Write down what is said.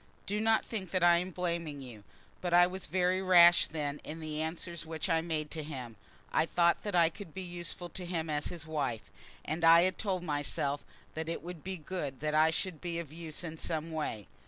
Do not think that I am blaming you, but I was very rash then in the answers which I made to him. I thought that I could be useful to him as his wife, and I had told myself that it would be good that I should be of use in some way.